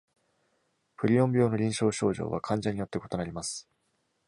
プリオン病の臨床症状は患者によって異なります。